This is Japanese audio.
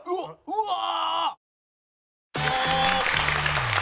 うわ！